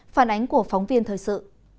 phản ánh của phóng viên thời sự